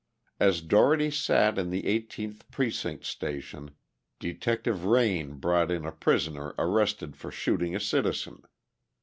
As Dougherty sat in the 18th precinct station, Detective Rein brought in a prisoner arrested for shooting a citizen.